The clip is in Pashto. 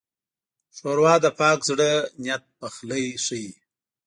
ښوروا د پاک زړه نیت پخلی ښيي.